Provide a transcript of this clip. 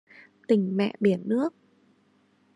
Tình mẹ biển nước